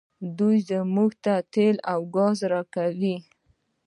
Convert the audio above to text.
دوی موږ ته تیل او ګاز راکوي.